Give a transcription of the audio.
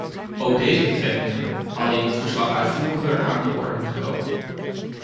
Ook deze betrekkingen hadden in het verslag uitvoeriger aan de orde moeten komen.